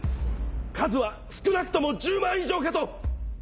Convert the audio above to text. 数は少なくとも１０万以上かと！